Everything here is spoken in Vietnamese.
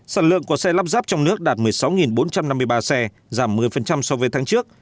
sản lượng của xe lắp ráp trong nước đạt một mươi sáu bốn trăm năm mươi ba xe giảm một mươi so với tháng trước